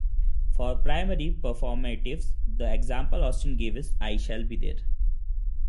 For primary performatives, the example Austin gave is "I shall be there".